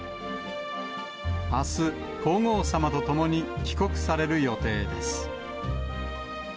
あす、皇后さまと共に帰国される予定です。